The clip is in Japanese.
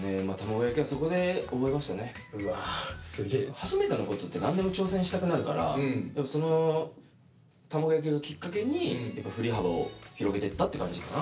初めてのことって何でも挑戦したくなるからその卵焼きをきっかけに振り幅を広げてったって感じかな。